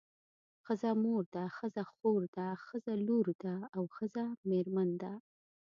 ښځه مور ده ښځه خور ده ښځه لور ده او ښځه میرمن ده.